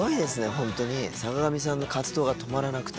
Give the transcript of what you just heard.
ホントに坂上さんの活動が止まらなくて。